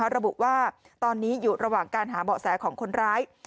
ระบุว่าตอนนี้อยู่ระหว่างการหาเบาะแสของคนร้าย